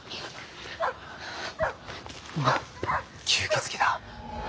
吸血鬼だ。